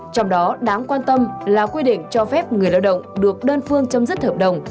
trong đó đáng quan tâm là quy định cho phép người lao động được đơn phương chấm dứt hợp đồng